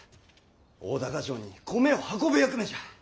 大高城に米を運ぶ役目じゃ！